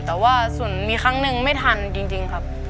แต่ว่าส่วนมีครั้งหนึ่งไม่ทันจริงครับ